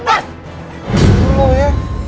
lepas dulu ya